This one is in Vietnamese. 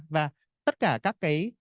và tất cả các cái